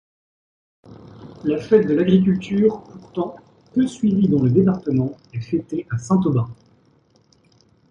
La fête de l’Agriculture, pourtant peu suivie dans le département, est fêtée à Saint-Aubin.